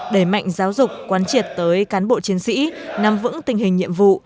đẩy mạnh giáo dục quan triệt tới cán bộ chiến sĩ nắm vững tình hình nhiệm vụ